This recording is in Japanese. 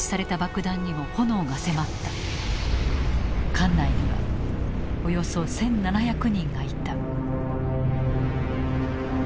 艦内にはおよそ１，７００人がいた。